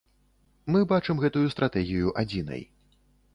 Мы бачым гэтую стратэгію адзінай.